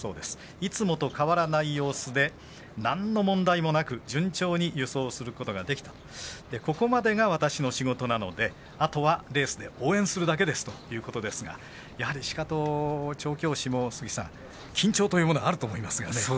いつもと変わらない様子でなんの問題もなく順調に輸送することができたここまでが私の仕事なのであとはレースで応援するだけですということですがやはり、鹿戸調教師も緊張というものがあると思いますが。